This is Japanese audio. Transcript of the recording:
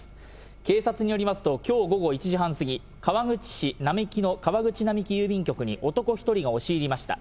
警察によりますと、きょう午後１時半過ぎ、川口市並木の川口並木郵便局に男１人が押し入りました。